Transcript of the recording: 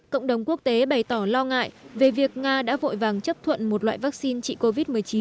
cộng đồng quốc tế bày tỏ lo ngại về việc nga đã vội vàng chấp thuận một loại vaccine trị covid một mươi chín